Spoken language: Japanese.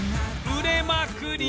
売れまくり。